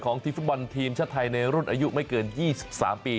ของทีมชาติไทยในรุ่นอายุไม่เกิน๒๓ปี